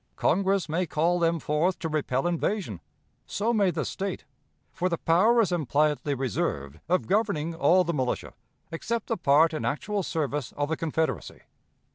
"Congress may call them forth to repel invasion; so may the State, for the power is impliedly reserved of governing all the militia, except the part in actual service of the Confederacy.